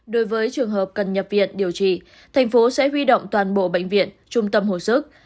đối với trường hợp cần nhập viện điều trị tp hcm sẽ huy động toàn bộ bệnh viện trung tâm hồi sức